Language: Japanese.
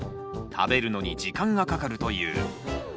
食べるのに時間がかかるという。